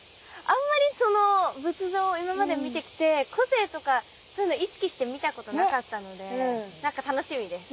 あんまりその仏像を今まで見てきて個性とかそういうの意識して見たことなかったので何か楽しみです。